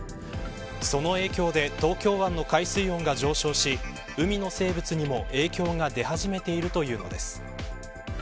その影響で東京湾の海水温が上昇し海の生物にも影響が出始めているというのです。